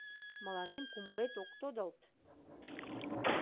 Мыланем кумылет ок тодылт?!